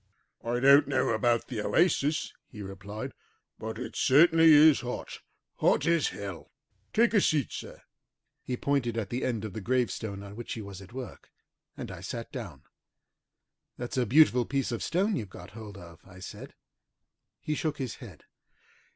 "I don't know about the oasis," he replied, "but it certainly is hot, as hot as hell. Take a seat, sir!" He pointed to the end of the gravestone on which he was at work, and I sat down. "That's a beautiful piece of stone you've got hold of," I said. He shook his head.